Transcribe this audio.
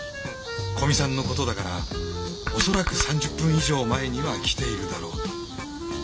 古見さんのことだから恐らく３０分以上前には来ているだろうと。